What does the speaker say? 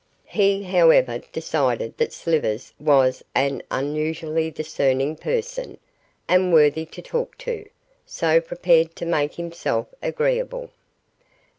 He, however, decided that Slivers was an unusually discerning person, and worthy to talk to, so prepared to make himself agreeable.